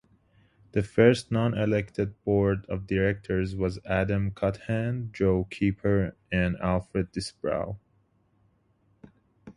The first non-elected Board of Directors was Adam Cuthand, Joe Keeper and Alfred Disbrowe.